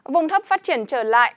vùng thấp phát triển trở lại